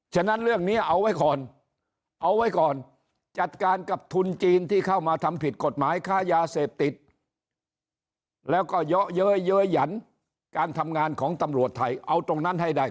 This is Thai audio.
ฉะนั้นเรื่องนี้เอาไว้ก่อนเอาไว้ก่อนจัดการกับทุนจีนที่เข้ามาทำผิดกฎหมายค้ายาเสพติดแล้วก็เยอะเย้ยเย้ยหยันการทำงานของตำรวจไทยเอาตรงนั้นให้ได้